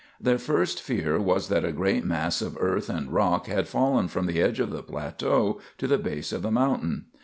Their first fear was that a great mass of earth and rock had fallen from the edge of the plateau to the base of the mountain.